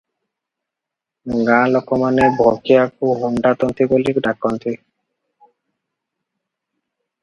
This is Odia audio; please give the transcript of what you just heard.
ଗାଁ ଲୋକମାନେ ଭଗିଆକୁ ହୁଣ୍ତା ତନ୍ତୀ ବୋଲି ଡାକନ୍ତି ।